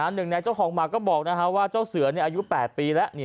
หนึ่งในเจ้าของหมาก็บอกว่าเจ้าเสืออายุ๘ปีแล้ว